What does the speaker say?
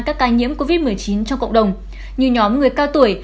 các ca nhiễm covid một mươi chín trong cộng đồng như nhóm người cao tuổi